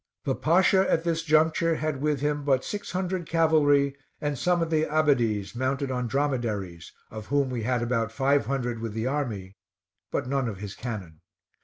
The Pasha at this juncture had with him but six hundred cavalry and some of the Abbadies mounted on dromedaries, of whom we had about five hundred with the army, but none of his cannon.